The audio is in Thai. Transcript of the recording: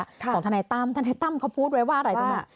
ของทานาคาต้ำทานาคาต้ำเค้าพูดไว้อะไรตัวนี้